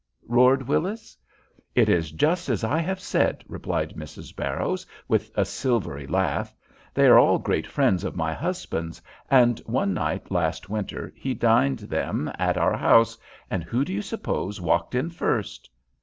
roared Willis. "It is just as I have said," replied Mrs. Barrows, with a silvery laugh. "They are all great friends of my husband's, and one night last winter he dined them at our house, and who do you suppose walked in first?"